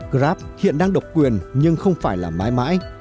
grab hiện đang độc quyền nhưng không phải là mãi mãi